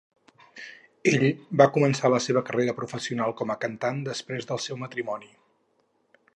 Ell va començar la seva carrera professional com a cantant després del seu matrimoni.